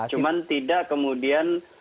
cuman tidak kemudian